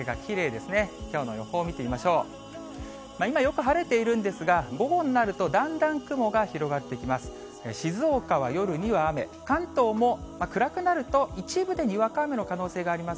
今、よく晴れているんですが、午後になると、だんだん雲が広がってきます。